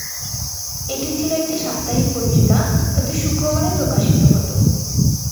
এটি ছিল একটি সাপ্তাহিক পত্রিকা, প্রতি শুক্রবারে প্রকাশিত হতো।